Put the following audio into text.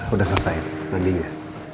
udah selesai mandinya